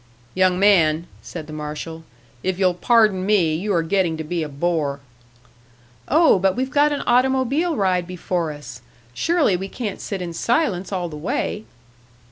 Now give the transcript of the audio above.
"Young man," said the marshal, "if you'll pardon me, you are getting to be a bore." "Oh, but we've got an automobile ride before us! Surely we can't sit in silence all the way!"